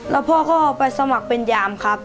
แล้วพ่อก็ไปสมัครเป็นยามครับ